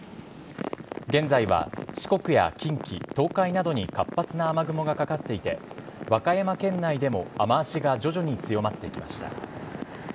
現在は四国や近畿、東海などに活発な雨雲がかかっていて、和歌山県内でも雨足が徐々に強まってきました。